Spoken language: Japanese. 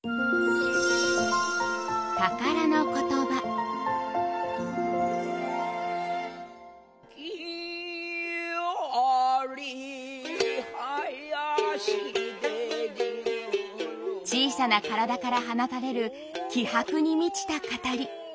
木遣り囃子で小さな体から放たれる気迫に満ちた語り。